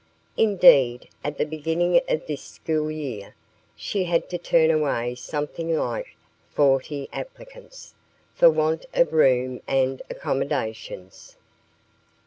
Indeed, at the beginning of this school year, she had to turn away something like forty applicants, for want of room and accommodations.